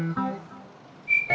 aduh aku bisa